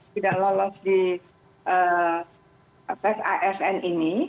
tidak lolos di tes asn ini